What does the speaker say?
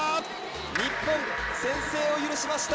日本、先制を許しました。